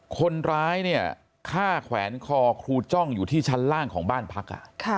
คนร้ายเนี่ยฆ่าแขวนคอครูจ้องอยู่ที่ชั้นล่างของบ้านพัก